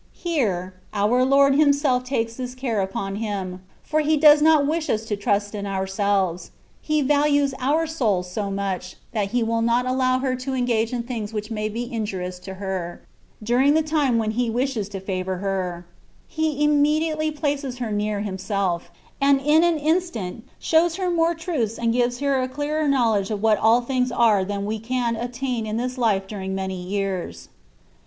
Here,* our Lord Himself takes this care upon Him, for He does ^ot wish us to trust in ourselves: He values our soul so much, that He will not allow her to engage in things which may be injurious to her, during the time when He wishes to favour her : He imme diately places her near Himself, and in an instant shows her more truths and gives her a clearer knowledge of what all things are than we can attain in this life during many years.